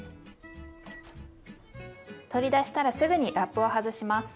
取り出したらすぐにラップを外します。